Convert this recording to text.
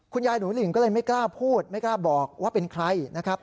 หนูหลิงก็เลยไม่กล้าพูดไม่กล้าบอกว่าเป็นใครนะครับ